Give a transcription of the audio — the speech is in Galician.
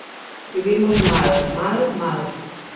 Vivimos mal, mal, mal.